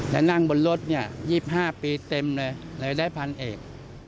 และนั่งบนรถเนี่ย๒๕ปีเต็มเลยเลยได้พันเอก